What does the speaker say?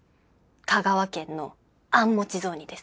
香川県のあん餅雑煮です。